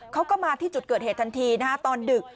เขาก็มาที่จุดเกิดเหตุทันทีนะฮะตอนดึก